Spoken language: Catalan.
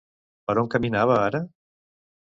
Per on caminava ara?